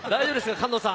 菅野さん。